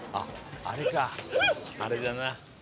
あれかあれだな。